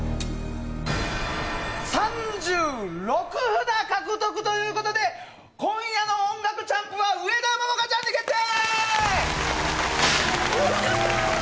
３６札獲得という事で今夜の音楽チャンプは上田桃夏ちゃんに決定！